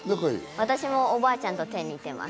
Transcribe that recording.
私もおばあちゃんと手が似てます。